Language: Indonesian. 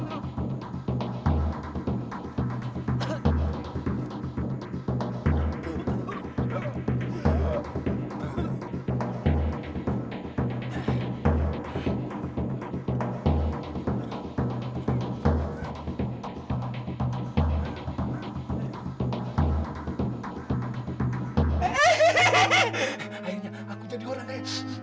akhirnya aku jadi orang lain